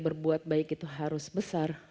berbuat baik itu harus besar